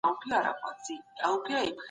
د خپل سر درملنه مه کوئ.